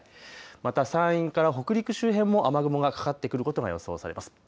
また山陰から北陸周辺も雨雲がかかってくることが予想されます。